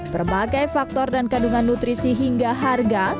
berbagai faktor dan kandungan nutrisi hingga harga